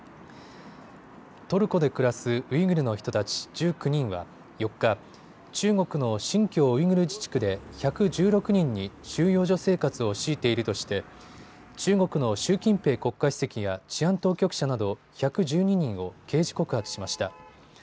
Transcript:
トルコで暮らすウイグルの人たち１９人は４日、中国の新疆ウイグル自治区で１１６人に収容所生活を強いているとして中国の習近平国家主席や治安当局者など１１２人を刑事告発しました。